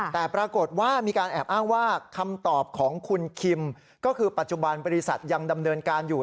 แต่ปรากฏว่ามีการแอบอ้างว่าคำตอบของคุณคิมก็คือปัจจุบันบริษัทยังดำเนินการอยู่